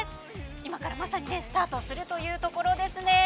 今からまさにスタートするというところですね。